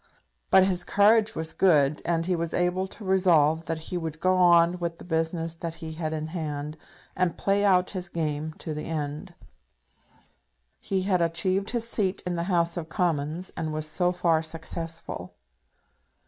But his courage was good, and he was able to resolve that he would go on with the business that he had in hand, and play out his game to the end. He had achieved his seat in the House of Commons, and was so far successful.